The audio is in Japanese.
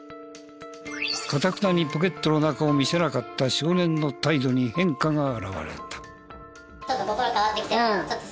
かたくなにポケットの中を見せなかった少年の態度に変化が現れた。